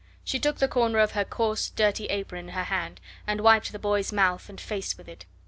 She took the corner of her coarse dirty apron in her hand, and wiped the boy's mouth and face with it.